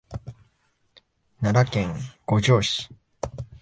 奈良県五條市